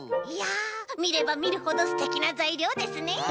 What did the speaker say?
いやみればみるほどすてきなざいりょうですね。